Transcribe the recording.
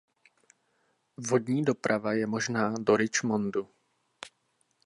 Vodní doprava je možná do Richmondu.